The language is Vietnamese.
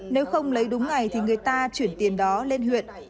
nếu không lấy đúng ngày thì người ta chuyển tiền đó lên huyện